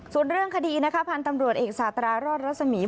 ส่วนเรื่องคดีนะคะพันธุ์ตำรวจเอกสาตรารอดรัศมีร์